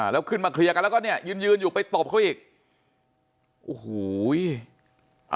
แล้วขึ้นมาเคลียร์กันแล้วก็เนี่ยยืนยืนอยู่ไปตบเขาอีกโอ้โห